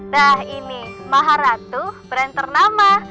nah ini maharatu brand ternama